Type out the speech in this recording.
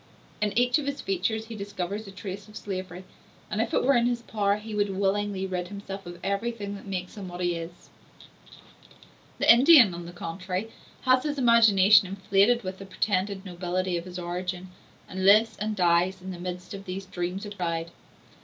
In each of his features he discovers a trace of slavery, and, if it were in his power, he would willingly rid himself of everything that makes him what he is. The Indian, on the contrary, has his imagination inflated with the pretended nobility of his origin, and lives and dies in the midst of these dreams of pride.